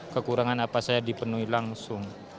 kekurangan apa saya dipenuhi langsung